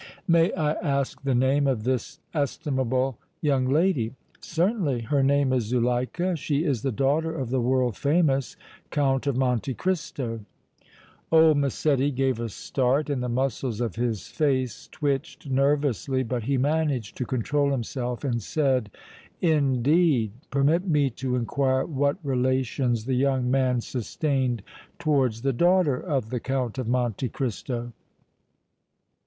"May I ask the name of this estimable young lady?" "Certainly. Her name is Zuleika; she is the daughter of the world famous Count of Monte Cristo." Old Massetti gave a start and the muscles of his face twitched nervously, but he managed to control himself and said: "Indeed! Permit me to inquire what relations the young man sustained towards the daughter of the Count of Monte Cristo."